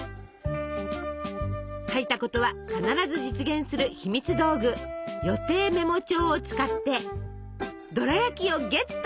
書いたことは必ず実現するひみつ道具「予定メモ帳」を使ってドラやきをゲット！